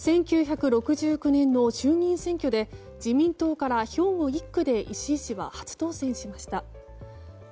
１９６９年の衆議院選挙で自民党から兵庫１区で石井氏は初当選しました。